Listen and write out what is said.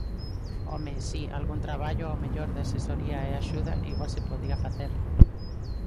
Home, si, algún traballo, ao mellor, de asesoría e axuda igual se podía facer.